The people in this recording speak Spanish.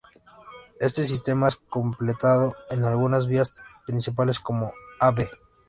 Este sistema es completado con algunas vías principales como: Av.